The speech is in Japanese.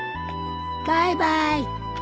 バイバーイ。